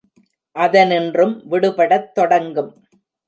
அதனின்றும் விடுபடத் தொடங்கும்.